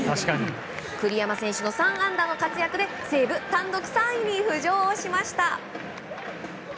栗山選手の３安打の活躍で西武、単独３位に浮上しました。